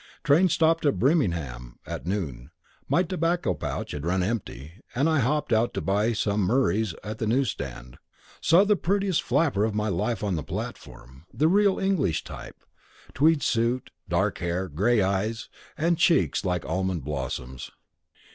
Train stopped at Birmingham at noon. My tobacco pouch had run empty, and I hopped out to buy some Murray's at the newsstand. Saw the prettiest flapper of my life on the platform the real English type; tweed suit, dark hair, gray eyes, and cheeks like almond blossoms.